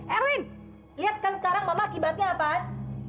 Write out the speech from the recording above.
erwin lihat kan sekarang mama akibatnya apaan